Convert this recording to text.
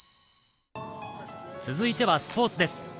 続いてはスポーツです。